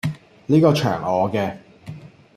呢個場我既